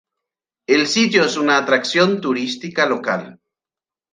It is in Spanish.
El sitio es una atracción turística local.